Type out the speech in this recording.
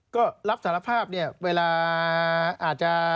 ก็รับสารภาพเวลาอาจจะ